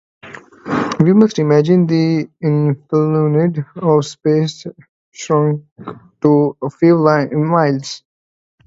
We must imagine the infinitude of space shrunk to a few miles.